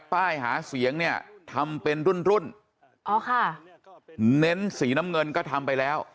ป้ายหาเสียงเนี่ยทำเป็นรุ่นรุ่นอ๋อค่ะเน้นสีน้ำเงินก็ทำไปแล้ว